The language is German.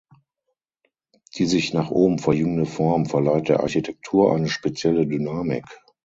Die sich nach oben verjüngende Form verleiht der Architektur eine spezielle Dynamik.